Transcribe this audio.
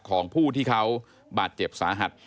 ของผู้ที่เขาบาดเจ็บสาหัส